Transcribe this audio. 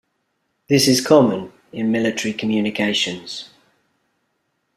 This is common in military communications.